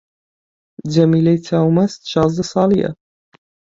جەمیلەی چاو مەست شازدە ساڵی یە